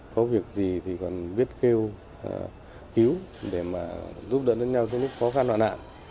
có việc gì thì còn biết kêu cứu để mà giúp đỡ đến nhau trong lúc khó khăn hoạn hạn